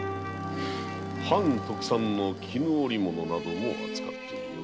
藩特産の絹織物なども扱っていよう。